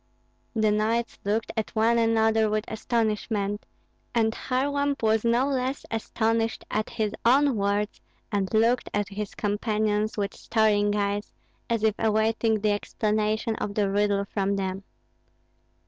The knights looked at one another with astonishment; and Kharlamp was no less astonished at his own words, and looked at his companions with staring eyes, as if awaiting the explanation of the riddle from them.